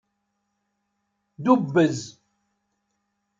Dubbez.